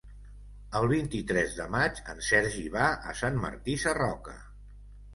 El vint-i-tres de maig en Sergi va a Sant Martí Sarroca.